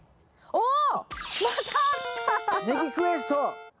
おお。